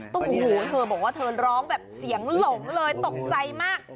โอ้โหเธอบอกว่าเธอร้องแบบเสียงหลงเลยตกใจมาก